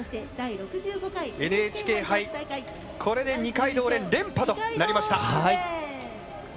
ＮＨＫ杯、これで二階堂蓮連覇となりました。